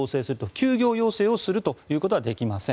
休業要請をすることはできません。